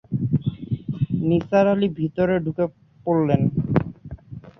নিসার আলি ভেতরে ঢুকে পড়লেন।